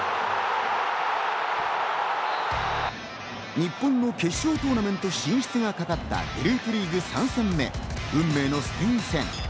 日本の決勝トーナメント進出がかかったグループリーグ３戦目、運命のスペイン戦。